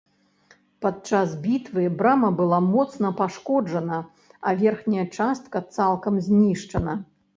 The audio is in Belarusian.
Падчас бітвы брама была моцна пашкоджана, а верхняя частка цалкам знішчана.